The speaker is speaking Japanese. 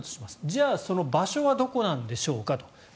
じゃあその場所はどこなんでしょうかと。